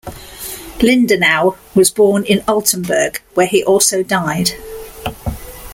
Lindenau was born in Altenburg, where he also died.